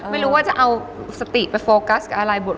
ไม่รู้ว่าจะเอาสติไปโฟกัสอะไรบท